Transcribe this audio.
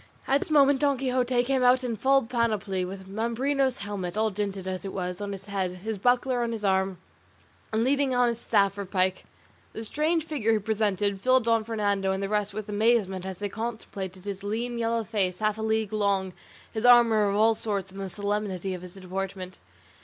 At this moment Don Quixote came out in full panoply, with Mambrino's helmet, all dinted as it was, on his head, his buckler on his arm, and leaning on his staff or pike. The strange figure he presented filled Don Fernando and the rest with amazement as they contemplated his lean yellow face half a league long, his armour of all sorts, and the solemnity of his deportment.